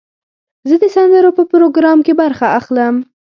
زه د سندرو په پروګرام کې برخه اخلم.